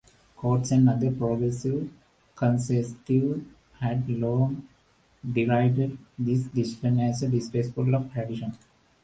Coates and other Progressive Conservatives had long derided this decision as disrespectful of tradition.